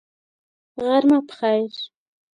غرمه په خیر !